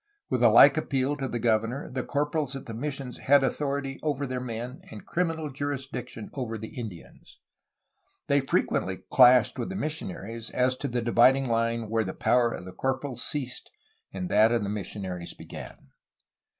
With a like appeal to the governor the corporals at the missions had authority over their men and criminal jurisdiction over the Indians. They frequently clashed with the missionaries as to the dividing line where the power of the corporals ceased and that of the missionaries began.